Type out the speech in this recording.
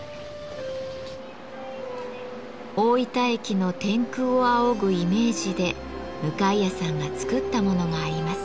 大分駅の天空を仰ぐイメージで向谷さんが作ったものがあります。